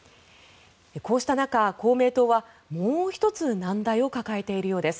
こうした中、公明党はもう１つ難題を抱えているようです。